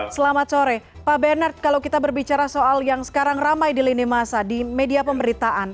selamat sore pak bernard kalau kita berbicara soal yang sekarang ramai di lini masa di media pemberitaan